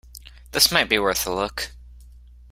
This might be worth a look.